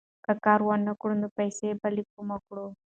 که کار ونه کړې، نو پیسې به له کومه کړې؟